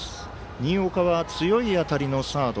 新岡は強い当たりのサード。